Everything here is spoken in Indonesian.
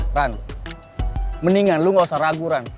ran mendingan lo gak usah ragu ran